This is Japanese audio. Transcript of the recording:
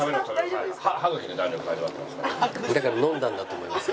だから飲んだんだと思います